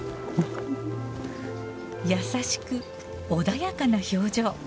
優しく、穏やかな表情。